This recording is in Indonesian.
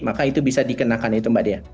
maka itu bisa dikenakan itu mbak dea